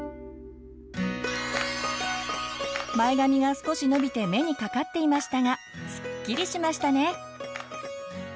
前髪が少し伸びて目にかかっていましたがスッキリしましたね。